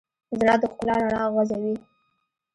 زړه د ښکلا رڼا غځوي.